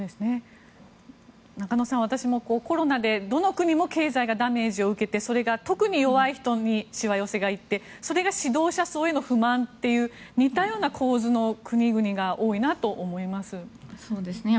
中野さん、私もコロナでどの国も経済のダメージを受けて特に弱い人にしわ寄せが行ってそれが指導者層への不満という似たような構図の国々が多いなと思います。